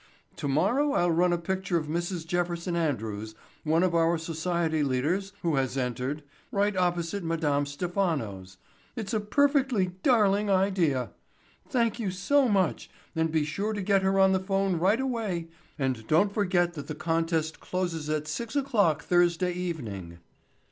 Tomorrow I'll run a picture of Mrs. Jefferson Andrews, one of our society leaders who has entered, right opposite Mme. Stephano's. It's a perfectly darling idea. Thank you so much and be sure and get her on the phone right away and don't forget that the contest closes at six o'clock Thursday evening."